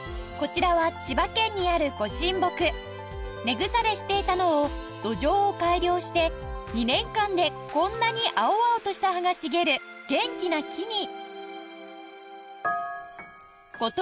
根腐れしていたのを土壌を改良して２年間でこんなに青々とした葉が茂る元気な木に